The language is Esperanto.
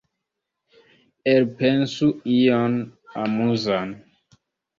Elpensu ion amuzan.